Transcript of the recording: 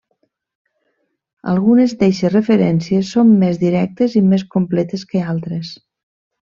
Algunes d'eixes referències són més directes i més completes que altres.